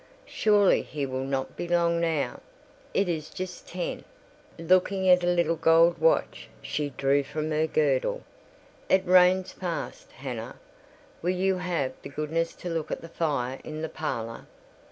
"Surely he will not be long now: it is just ten (looking at a little gold watch she drew from her girdle). It rains fast, Hannah: will you have the goodness to look at the fire in the parlour?"